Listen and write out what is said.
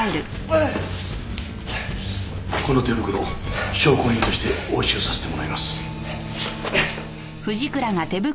この手袋証拠品として押収させてもらいます。